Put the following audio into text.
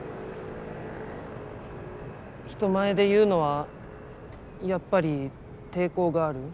人前で言うのはやっぱり抵抗がある？